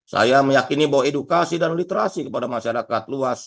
saya meyakini bahwa edukasi dan literasi kepada masyarakat luas